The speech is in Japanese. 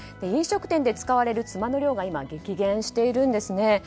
飲食店で使われるつまの量が今、激減しているんですね。